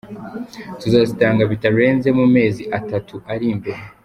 Tuzazitanga bitarenze mu mezi atatu ari imbere.